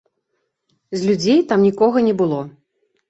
З людзей там нікога не было.